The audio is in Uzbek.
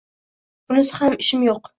– Bunisi bilan ishim yo‘q